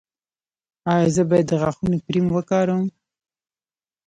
ایا زه باید د غاښونو کریم وکاروم؟